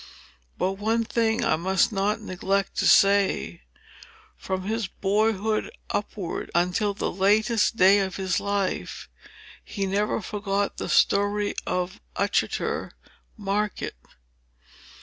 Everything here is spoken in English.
But one thing I must not neglect to say. From his boyhood upward, until the latest day of his life, he never forgot the story of Uttoxeter market.